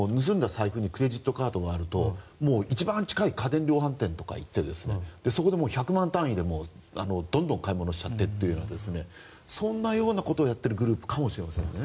財布にクレジットカードがあると一番近い家電量販店とかに行って１００万単位でどんどん買い物してみたいなそんなようなことをやっているグループかもしれないですね。